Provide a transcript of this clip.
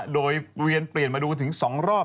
โดยเวียนเปลี่ยนมาดูถึง๒รอบ